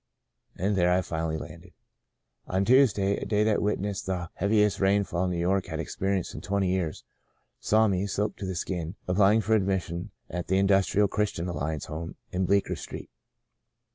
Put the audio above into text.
And there I finally landed. " One Tuesday — a day that witnessed the heaviest rainfall New York had experienced in twenty years — saw me, soaked to the skin, applying for admission at the Industrial Christian Alliance Home in Bleecker Street.